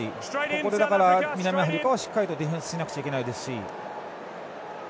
ここで南アフリカはしっかりディフェンスしなくちゃいけないですし。